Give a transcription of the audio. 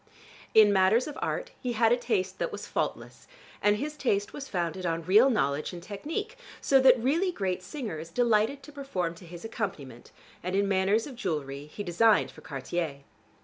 In matters of art, he had a taste that was faultless, and his taste was founded on real knowledge and technique, so that really great singers delighted to perform to his accompaniment, and in matters of jewelry he designed for Cartier.